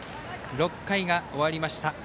６回が終わりました。